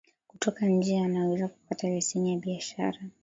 kutoka nje yanaweza kupata leseni ya biashara